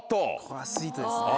これアスリートですね。